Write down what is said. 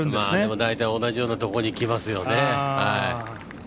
大体同じようなところにきますよね。